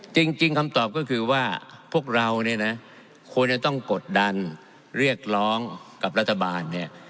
จริงคำตอบก็คือว่าพวกเราเนี่ยนะควรจะต้องกดดันเรียกร้องกับรัฐบาลเนี่ย